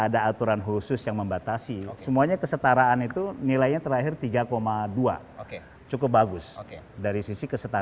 ada aturan khusus yang membatasi semuanya kesetaraan itu nilainya terakhir tiga dua cukup bagus